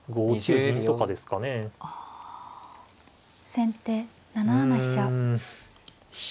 先手７七飛車。